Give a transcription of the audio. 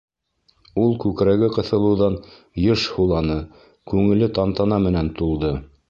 Ул күкрәге ҡыҫылыуҙан йыш һуланы, күңеле тантана менән тулды.